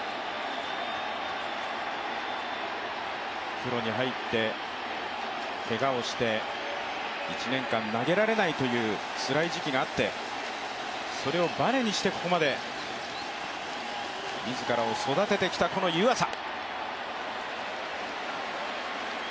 プロに入って、けがをして、１年間投げられないというつらい時期があって、それをばねにしてここまで自らを育ててきたこの湯浅。